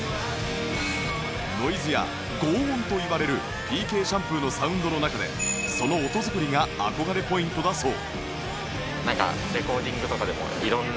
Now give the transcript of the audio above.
ノイズや轟音といわれる ＰＫｓｈａｍｐｏｏ のサウンドの中でその音作りが憧れポイントだそう